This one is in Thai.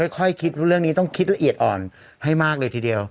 ค่อยคิดเรื่องนี้ต้องคิดละเอียดอ่อนให้มากเลยทีเดียว